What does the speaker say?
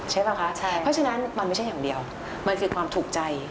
ใช่ป่ะคะเพราะฉะนั้นมันไม่ใช่อย่างเดียวมันคือความถูกใจ